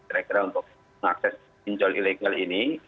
kira kira untuk mengakses pinjol ilegal ini